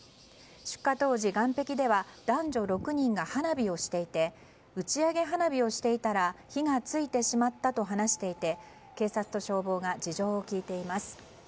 出火当時、岸壁では男女６人が花火をしていて打ち上げ花火をしていたら火が付いてしまったと話していて、警察と消防が事情を聴いています。